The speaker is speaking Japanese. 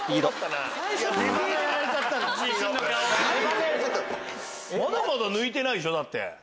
まだまだ抜いてないでしょ？だって。